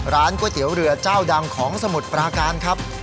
ก๋วยเตี๋ยวเรือเจ้าดังของสมุทรปราการครับ